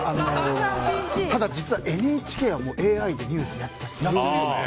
ただ、実はＮＨＫはもうＡＩでニュースをやっていて。